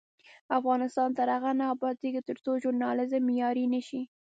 افغانستان تر هغو نه ابادیږي، ترڅو ژورنالیزم معیاري نشي.